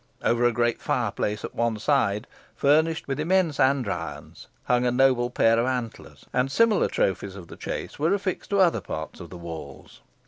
Over a great fireplace at one side, furnished with immense andirons, hung a noble pair of antlers, and similar trophies of the chase were affixed to other parts of the walls.